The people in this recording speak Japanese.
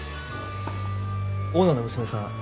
オーナーの娘さん